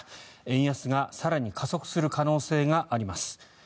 円安が更に加速する可能性があります。